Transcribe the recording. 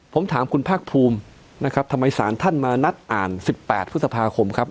ผมถามคุณภาคภูมินะครับทำไมสารท่านมานัดอ่าน๑๘พฤษภาคมครับ